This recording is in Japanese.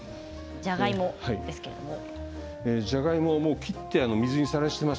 じゃがいもは切って水にさらしています。